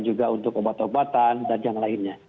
juga untuk obat obatan dan yang lainnya